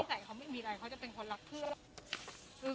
ใส่เขาไม่มีอะไรเขาจะเป็นคนรักเพื่อน